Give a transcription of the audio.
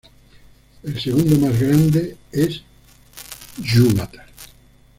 El segundo más grande es "Ilúvatar".